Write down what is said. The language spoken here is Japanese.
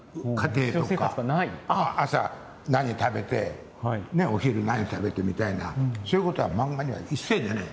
朝何食べてお昼何食べてみたいなそういうことは漫画には一切出ない。